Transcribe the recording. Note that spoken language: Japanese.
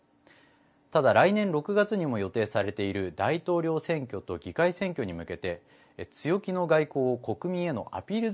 ただ、来年６月にも予定されている大統領選挙と議会選挙に向けて強気の外交を国民へのアピール